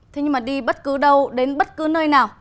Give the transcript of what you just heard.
thế nhưng mà đi bất cứ đâu đến bất cứ nơi nào